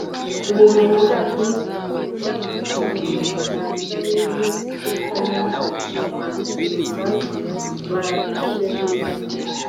ubumenyi bwacu ni ikirwa gito mu nyanja nini yo kutamenya. - umuhanzi isaac bashevis